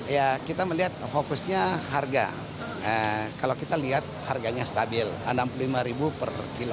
ya kita melihat fokusnya harga kalau kita lihat harganya stabil rp enam puluh lima per kilo